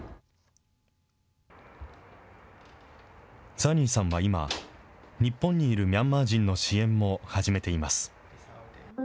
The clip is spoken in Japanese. ザニーさんは今、日本にいるミャンマー人の支援も始めています。